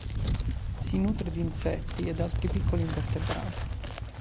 Si nutre di insetti ed altri piccoli invertebrati.